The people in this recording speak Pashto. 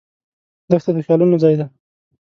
دښته د خیالونو ځای دی.